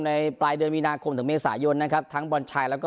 ปลายเดือนมีนาคมถึงเมษายนนะครับทั้งบอลชายแล้วก็